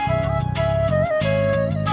kita akan mencari penumpang yang lebih baik